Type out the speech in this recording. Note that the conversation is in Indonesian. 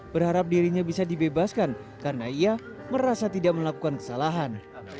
berharap dirinya bisa dibebaskan karena ia merasa tidak melakukan kesalahan